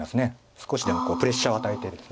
少しでもプレッシャーを与えてるんです。